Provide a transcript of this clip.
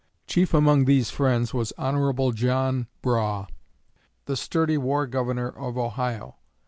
Chief among these friends was Hon. John Brough, the sturdy "War Governor" of Ohio.